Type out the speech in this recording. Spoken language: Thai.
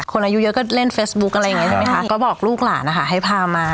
อายุเยอะก็เล่นเฟซบุ๊คอะไรอย่างเงี้ใช่ไหมคะก็บอกลูกหลานนะคะให้พามา